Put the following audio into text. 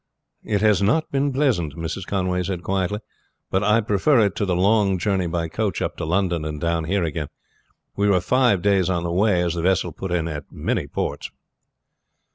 "It has not been pleasant," Mrs. Conway said quietly. "But I preferred it to the long journey by coach up to London, and down here again. We were five days on the way, as the vessel put in at so many ports.